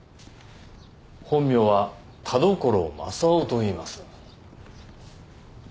本名は田所柾雄といいます。